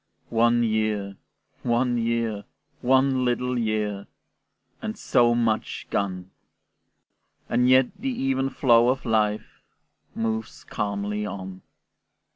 One year, one year, one little year, And so much gone! And yet the even flow of life Moves calmly on.